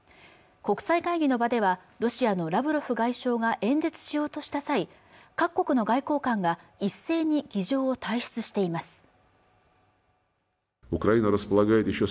国際会議の場ではロシアのラブロフ外相が演説しようとした際各国の外交官が一斉に議場を退出しています